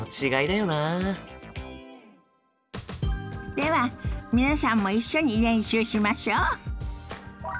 では皆さんも一緒に練習しましょ。